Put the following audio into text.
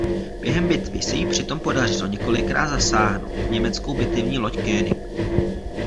Během bitvy se jí přitom podařilo několikrát zasáhnout německou bitevní loď "König".